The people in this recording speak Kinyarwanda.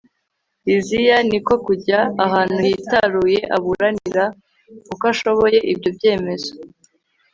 liziya ni ko kujya ahantu hitaruye, aburanira uko ashoboye ibyo byemezo